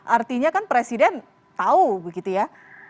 artinya kan presiden tahu begitu ya